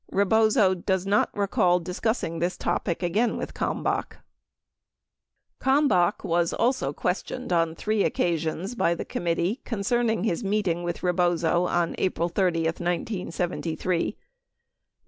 Rebozo does not recall discussing this topic again with Kalmbach.* 2 Kalmbach was also questioned on three occasions by the committee concerning his meeting with Rebozo on April 30, 1973. In